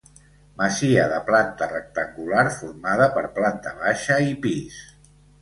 Masia de planta rectangular formada per planta baixa i pis.